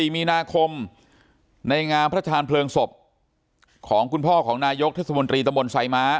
มีนาคมในงานพระชาญเพลิงศพของคุณพ่อของนายกเทศมนตรีตะบนไซม้า